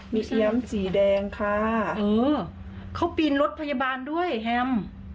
มีเซียมสีแดงค่ะเออเขาปีนรถพยาบาลด้วยแฮม